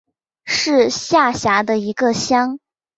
是下辖的一个乡。